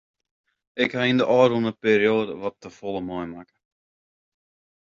Ik ha yn de ôfrûne perioade wat te folle meimakke.